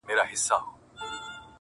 سواهد ټول راټولوي,